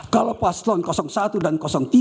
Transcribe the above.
kalau pasang satu dua dan tiga